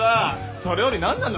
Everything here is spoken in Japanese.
それより何なんだ